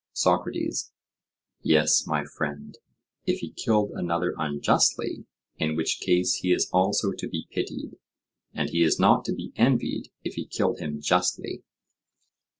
SOCRATES: Yes, my friend, if he killed another unjustly, in which case he is also to be pitied; and he is not to be envied if he killed him justly.